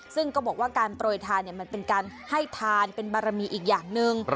ซึ่งก็บอกว่าการโปรยทานมันเป็นการให้ทานเป็นบารมีอีกอย่างหนึ่ง